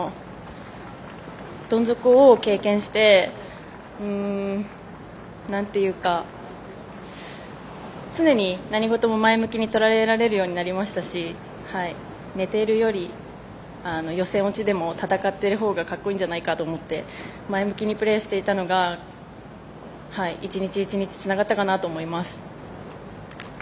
どん底を経験して常に何事もとらえられるようになりましたし寝ているより予選落ちでも、戦っている方がかっこいいんじゃないかと思って前向きにプレーしていたのが一日一日つながったかなと思います。